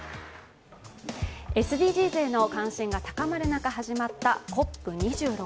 ＳＤＧｓへの関心が高まる中始まったＣＯＰ２６。